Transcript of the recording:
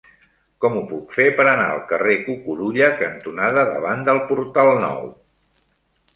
Com ho puc fer per anar al carrer Cucurulla cantonada Davant del Portal Nou?